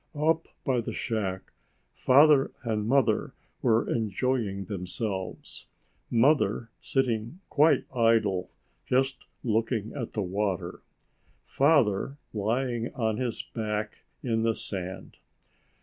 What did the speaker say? Up by the shack Father and Mother were enjoying themselves; Mother sitting quite idle, just looking at the water; Father lying on his back in the sand.